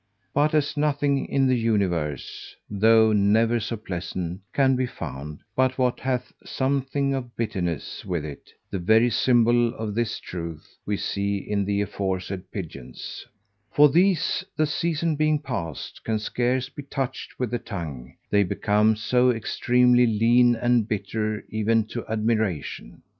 But as nothing in the universe, though never so pleasant, can be found, but what hath something of bitterness with it; the very symbol of this truth we see in the aforesaid pigeons: for these, the season being past, can scarce be touched with the tongue, they become so extremely lean, and bitter even to admiration.